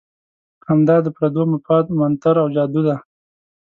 همدا د پردو مفاد منتر او جادو دی.